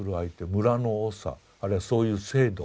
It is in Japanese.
村のおさあるいはそういう制度